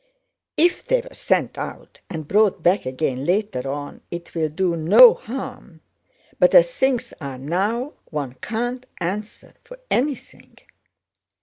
"If they're sent out and brought back again later on it will do no harm, but as things are now one can't answer for anything."